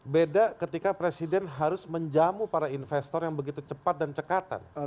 beda ketika presiden harus menjamu para investor yang begitu cepat dan cekatan